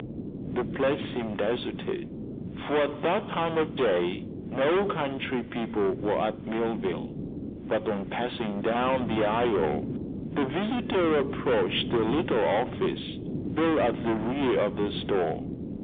The place seemed deserted, for at that time of day no country people were at Millville; but on passing down the aisle the visitor approached a little office built at the rear of the store.